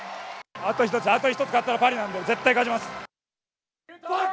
あと１つ、あと１つ勝てばパリなんで、絶対勝ちます！